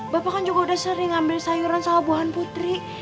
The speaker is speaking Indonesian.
bapak kan juga udah sering ambil sayuran sama buahan putri